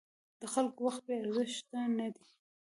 د خلکو وخت بې ارزښته نه دی.